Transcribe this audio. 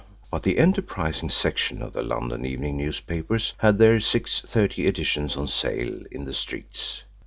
but the enterprising section of the London evening newspapers had their 6.30 editions on sale in the streets.